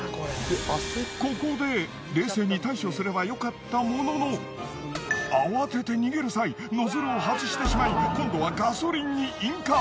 ここで冷静に対処すればよかったものの慌てて逃げる際ノズルを外してしまい今度は。